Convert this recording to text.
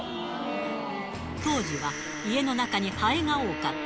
当時は、家の中にハエが多かった。